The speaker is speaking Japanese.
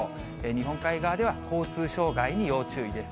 日本海側では交通障害に要注意です。